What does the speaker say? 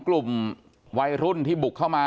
กลุ่มวัยรุ่นที่บุกเข้ามา